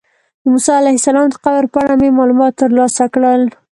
د موسی علیه السلام د قبر په اړه مې معلومات ترلاسه کړل.